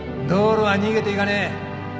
道路は逃げていかねえ。